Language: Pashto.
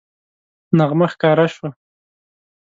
نغمه ښکاره شوه